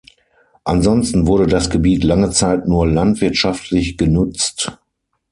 Ansonsten wurde das Gebiet lange Zeit nur landwirtschaftlich genutzt.